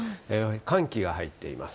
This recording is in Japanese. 寒気が入っています。